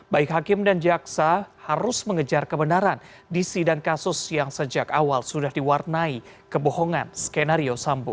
baik hakim dan jaksa harus mengejar kebenaran disi dan kasus yang sejak awal sudah diwarnai kebohongan skenario sambo